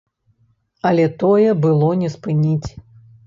Але тое было не спыніць.